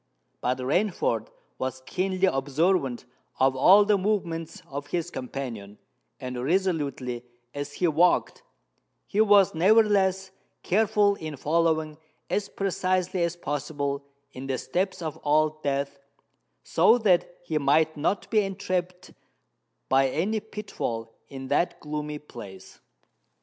But Rainford was keenly observant of all the movements of his companion; and, resolutely as he walked, he was nevertheless careful in following as precisely as possible in the steps of Old Death, so that he might not be entrapped by any pitfall in that gloomy place.